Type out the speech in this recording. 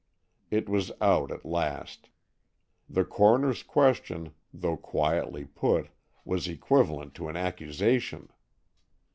It was out at last. The coroner's question, though quietly put, was equivalent to an accusation.